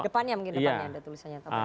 depannya mungkin depannya ada tulisannya topik